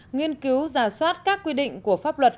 nghiên cứu giả soát các quy định của pháp luật